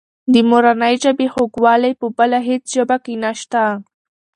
د مورنۍ ژبې خوږوالی په بله هېڅ ژبه کې نشته.